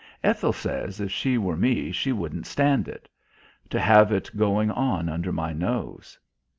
Ethel says if she were me she wouldn't stand it. To have it going on under my nose.